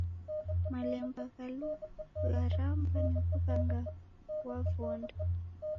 Malemba gha lugharamba ni wughanga ghwa vonda.